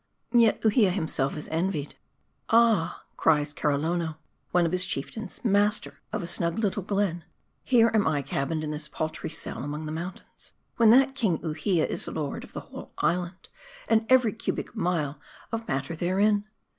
Yet Uhia himself is envied. ' Ah J' cries Karrolono, one of his chieftains, master of a snug little glen, < Here am I cabined in this paltry cell among the mountains, when that great .King Uhia is lord of the whole island, and every cubic mile of matter therein.'